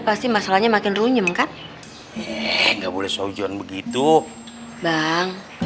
pasti masalahnya makin runyem kan nggak boleh sojon begitu bang